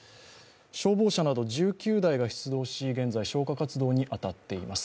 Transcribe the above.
消防車など１９台が出動し現在消火活動に当たっています。